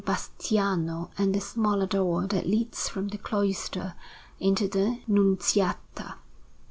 Bastiano and the smaller door that leads from the cloister into the Nunziata.